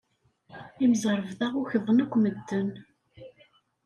Imẓerbeḍḍa ukḍen akk medden.